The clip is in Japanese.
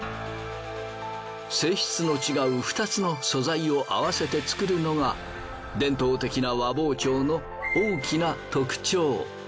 性質の違う２つの素材を合わせて作るのが伝統的な和包丁の大きな特徴。